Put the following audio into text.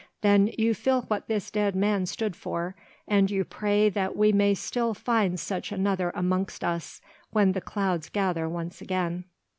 Then you feel what this dead man stood for, and you pray that we may still find such another amongst us when the clouds gather once again.